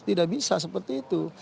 tidak bisa seperti itu